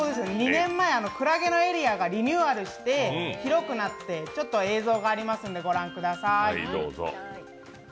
２年前、くらげのエリアがリニューアルして広くなって、映像がありますので御覧ください。